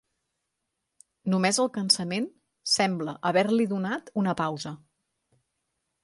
Només el cansament sembla haver-li donat una pausa.